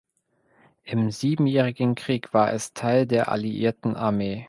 Im Siebenjährigen Krieg war es Teil der alliierten Armee.